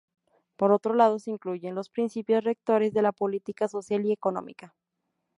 Por otro lado se incluyen los principios rectores de la política social y económica.